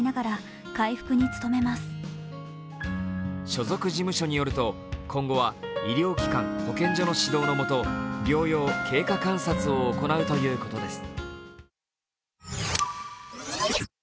所属事務所によると今後は医療機関、保健所の指導のもと療養・経過観察を行うということです。